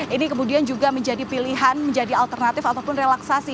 ini kemudian juga menjadi pilihan menjadi alternatif ataupun relaksasi